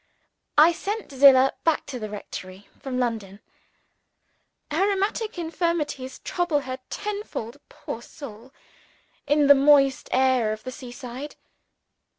I sent Zillah back to the rectory from London. Her rheumatic infirmities trouble her tenfold, poor old soul, in the moist air of the seaside.